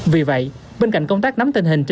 vì vậy bên cạnh công tác nắm tình hình